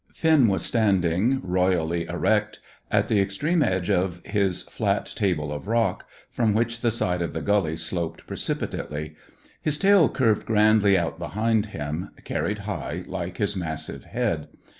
] Finn was standing, royally erect, at the extreme edge of his flat table of rock, from which the side of the gully sloped precipitately. His tail curved grandly out behind him, carried high, like his massive head.